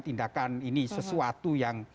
tindakan ini sesuatu yang